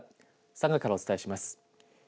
佐賀からお伝えします。